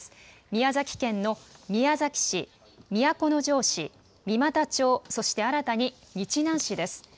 宮崎県の宮崎市、都城市、三股町、そして新たに日南市です。